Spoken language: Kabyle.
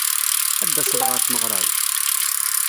Ad d-taseḍ ɣer tmeɣra-w?